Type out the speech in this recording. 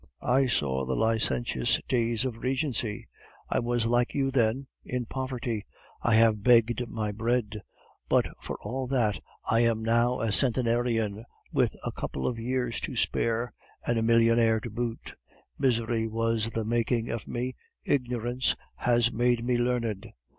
I saw the licentious days of Regency. I was like you, then, in poverty; I have begged my bread; but for all that, I am now a centenarian with a couple of years to spare, and a millionaire to boot. Misery was the making of me, ignorance has made me learned.